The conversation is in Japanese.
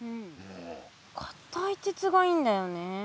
硬い鉄がいいんだよね。